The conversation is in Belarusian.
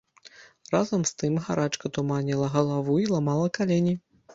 Разам з тым гарачка туманіла галаву і ламала калені.